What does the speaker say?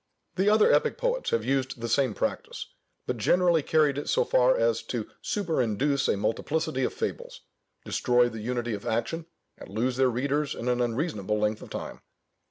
The other epic poets have used the same practice, but generally carried it so far as to superinduce a multiplicity of fables, destroy the unity of action, and lose their readers in an unreasonable length of time.